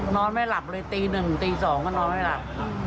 นอนไม่หลับเลยตี๑ตี๒ก็นอนไม่หลับ